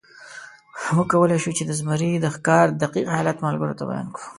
موږ کولی شو، چې د زمري د ښکار دقیق حالت ملګرو ته بیان کړو.